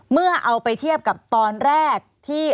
เมื่อเอาไปเทียบกับตอนแรกที่